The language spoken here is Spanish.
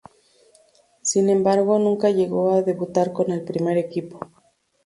Sin embargo nunca llegó a debutar con el primer equipo.